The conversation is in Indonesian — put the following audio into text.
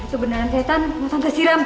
itu beneran setan mau tante siram